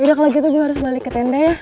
ya udah kalau gitu gue harus balik ke tenda ya